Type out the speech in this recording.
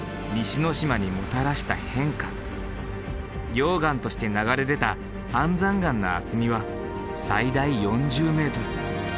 溶岩として流れ出た安山岩の厚みは最大４０ｍ。